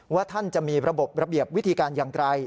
ว่าท่านจะมีระบบระเบียบวิธีการอย่างไร